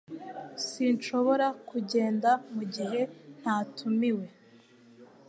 Sinshobora kugenda mugihe ntatumiwe